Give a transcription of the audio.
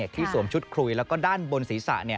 สวมชุดคุยแล้วก็ด้านบนศีรษะ